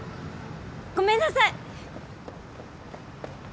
ごめんなさい！